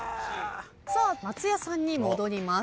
さあ松也さんに戻ります。